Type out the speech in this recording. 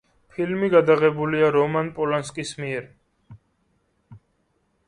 ფილმი გადაღებულია რომან პოლანსკის მიერ.